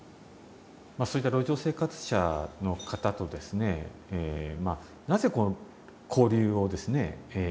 そういった路上生活者の方とですねなぜこの交流をですね続けようと？